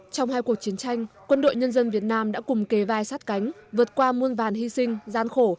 trong hai cuộc chiến tranh quân đội nhân dân việt nam đã cùng kề vai sát cánh vượt qua muôn vàn hy sinh gian khổ